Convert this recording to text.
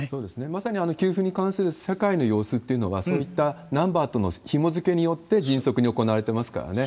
まさに給付に関する世界の様子っていうのは、ナンバーとのひもづけによって迅速に行われていますからね。